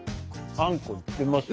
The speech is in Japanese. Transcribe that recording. あんこいってます。